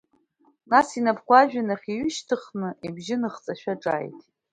Нас инапқәа ажәҩан ахь иҩышьҭихын, ибжьы ныхҵашәа ҿааиҭит.